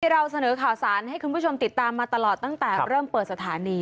เราเสนอข่าวสารให้คุณผู้ชมติดตามมาตลอดตั้งแต่เริ่มเปิดสถานี